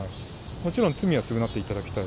もちろん罪は償っていただきたい。